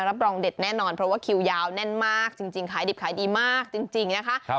รับรองเด็ดแน่นอนเพราะว่าคิวยาวแน่นมากจริงขายดิบขายดีมากจริงนะคะ